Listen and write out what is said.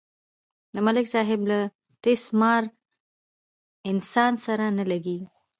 د ملک صاحب له تیس مار انسان سره نه لگېږي.